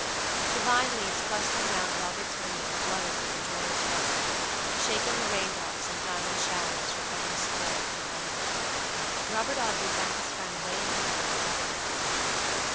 The vine leaves clustering round Robert's window fluttered with a joyous rustling, shaking the rain drops in diamond showers from every spray and tendril. Robert Audley found his friend waiting for him at the breakfast table.